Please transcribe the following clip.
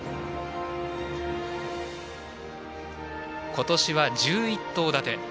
今年は１１頭立て。